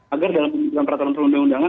agar dalam pembentukan peraturan perundang undangan